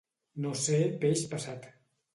No ser peix passat.